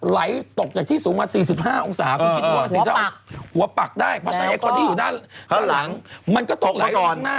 แล้วรถคนที่มาก็ตับไปนี้เลย